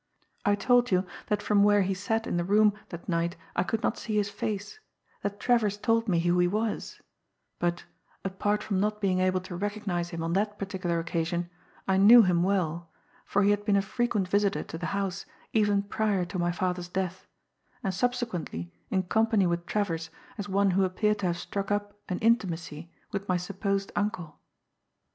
I told you that from where he sat in the room that night I could not see his face, that Travers told me who he was but, apart from not being able to recognise him on that particular occasion, I knew him well, for he had been a frequent visitor to the house even prior to my father's death, and subsequently in company with Travers as one who appeared to have struck up an intimacy with my supposed uncle.